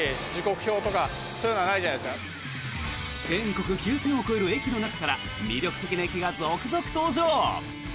全国９０００を超える駅の中から魅力的な駅が続々登場。